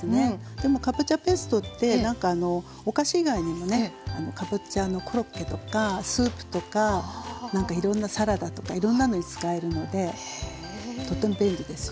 でもかぼちゃペーストってなんかお菓子以外にもねかぼちゃのコロッケとかスープとかなんかいろんなサラダとかいろんなのに使えるのでとても便利ですね。